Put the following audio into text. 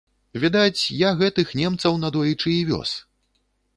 Відаць, я гэтых немцаў надоечы і вёз.